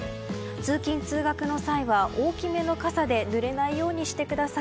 通勤・通学の際は大きめの傘でぬれないようにしてください。